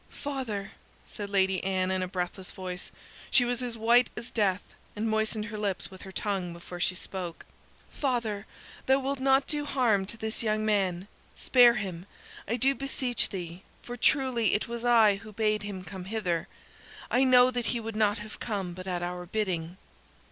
"Father," said Lady Anne, in a breathless voice she was as white as death, and moistened her lips with her tongue before she spoke "father, thou wilt not do harm to this young man. Spare him, I do beseech thee, for truly it was I who bade him come hither. I know that he would not have come but at our bidding."